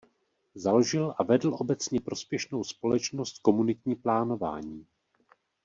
Založil a vedl obecně prospěšnou společnost Komunitní plánování.